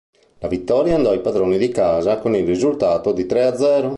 La vittoria andò ai padroni di casa con il risultato di tre a zero.